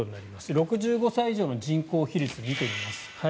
６５歳以上の人口比率見てみます。